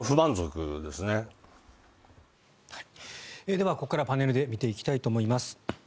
ではここから、パネルで見ていきたいと思います。